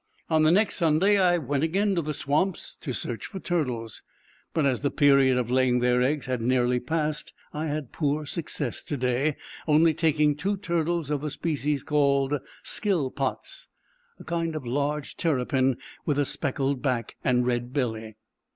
On the next Sunday, I again went to the swamps to search for turtles; but as the period of laying their eggs had nearly passed, I had poor success to day, only taking two turtles of the species called skill pots a kind of large terrapin, with a speckled back and red belly.